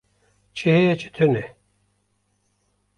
Çi heye çi tune?